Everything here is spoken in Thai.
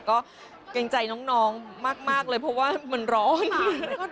ก็เกรงใจน้องมากเลยเพราะว่ามันร้อน